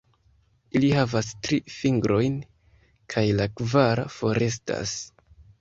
Ili havas tri fingrojn, kaj la kvara forestas.